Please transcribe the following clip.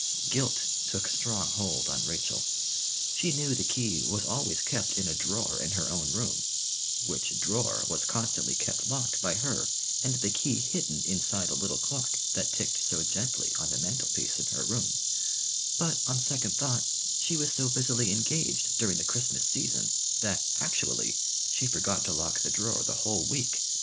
Guilt took strong hold on Rachel. She knew the key was always kept in a drawer in her own room, which drawer was constantly kept locked by her and the key hidden inside the little clock that ticked so gently on the mantel piece in her room; but on second thought, she was so busily engaged during the Christmas season that actually she forgot to lock the drawer the whole week.